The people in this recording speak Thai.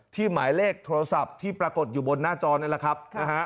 หมายเลขโทรศัพท์ที่ปรากฏอยู่บนหน้าจอนี่แหละครับนะฮะ